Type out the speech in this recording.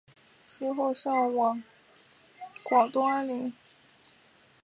之后升任广东按察使。